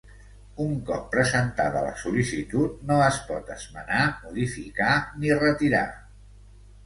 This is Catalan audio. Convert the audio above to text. Un cop presentada la sol·licitud no es pot esmenar, modificar ni retirar.